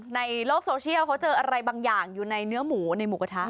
ในโลกโซเชียลเขาเจออะไรบางอย่างอยู่ในเนื้อหมูในหมูกระทะ